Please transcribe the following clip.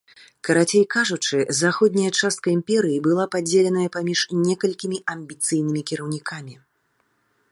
Карацей кажучы, заходняя частка імперыі была падзеленая паміж некалькімі амбіцыйнымі кіраўнікамі.